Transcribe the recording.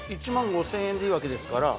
１万５０００円でいいわけですから。